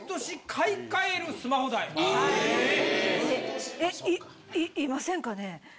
え！？えっいませんかね？